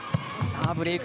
ブレーク